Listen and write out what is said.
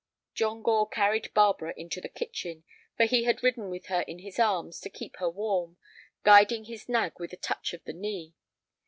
John Gore carried Barbara into the kitchen, for he had ridden with her in his arms to keep her warm, guiding his nag with a touch of the knee.